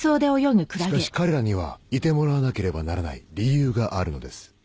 しかし彼らにはいてもらわなければならない理由があるのです